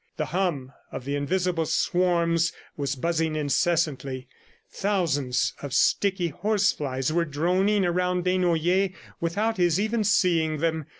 The hum of the invisible swarms was buzzing incessantly. Thousands of sticky horse flies were droning around Desnoyers without his even seeing them.